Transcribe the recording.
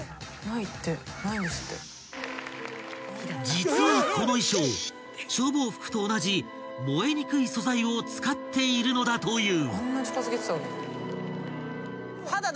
［実はこの衣装消防服と同じ燃えにくい素材を使っているのだという］